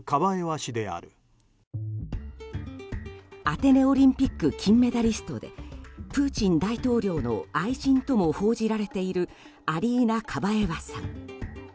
アテネオリンピック金メダリストでプーチン大統領の愛人とも報じられているアリーナ・カバエワさん。